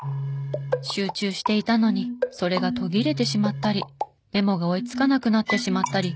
集中していたのにそれが途切れてしまったりメモが追いつかなくなってしまったり。